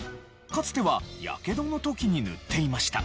かつては火傷の時に塗っていました。